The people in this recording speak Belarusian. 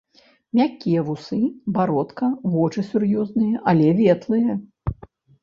Мяккія вусы, бародка, вочы сур'ёзныя, але ветлыя.